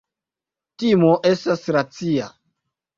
Timo estas racia.